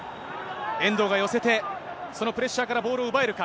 遠藤が寄せて、そのプレッシャーからボールを奪えるか。